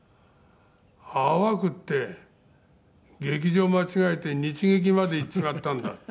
泡食って劇場間違えて日劇まで行っちまったんだ”って」